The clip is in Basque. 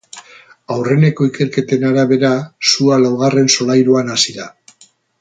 Aurreneko ikerketen arabera, sua laugarren solairuan hasi da.